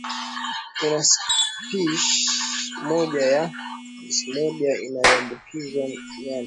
kuna spishi moja ya palsmodium inayoambukiza nyani